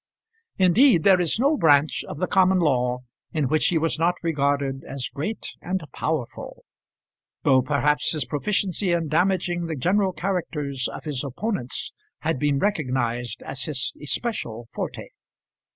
Indeed there is no branch of the Common Law in which he was not regarded as great and powerful, though perhaps his proficiency in damaging the general characters of his opponents has been recognised as his especial forte.